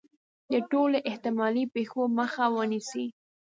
د ټولو احتمالي پېښو مخه ونیسي.